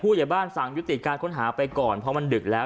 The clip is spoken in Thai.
อย่าบ้านสั่งยุติการค้นหาไปก่อนเพราะมันดึกแล้ว